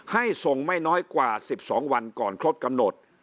ให้ส่งไม่น้อยกว่า๑๒วันก่อนครบกำหนด